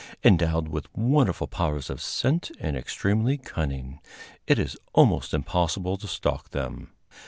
Endowed with wonderful powers of scent and extremely cunning, it is almost impossible to stalk them.